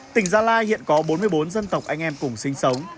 tỉnh gia lai hiện có bốn mươi bốn dân tộc anh em cùng sinh sống